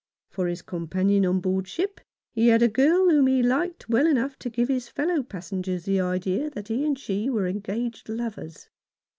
For his companion on board ship he had a girl whom he liked well enough to give his fellow passengers the idea that he and she ,were engaged lovers.